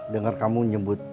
dengar kamu nyebut